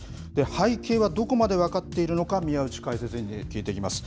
背景はどこまで分かっているのか、宮内解説委員に聞いていきます。